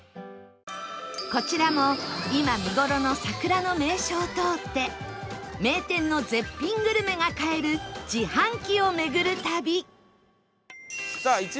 こちらも今見頃の桜の名所を通って名店の絶品グルメが買える自販機を巡る旅さあ